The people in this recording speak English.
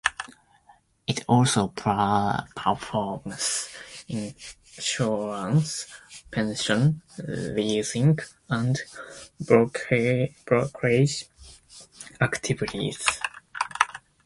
It also performs insurance, pension, leasing, and brokerage activities.